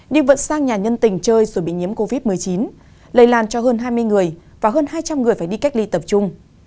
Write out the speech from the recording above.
đi vận sang nhà nhân tình chơi rồi bị nhiễm covid một mươi chín lây lan cho hơn hai mươi người và hơn hai trăm linh người phải đi cách ly tập trung